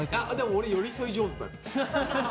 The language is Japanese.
俺寄り添い上手。